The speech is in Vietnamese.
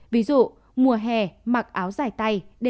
ví dụ mùa hè mặc áo dài tay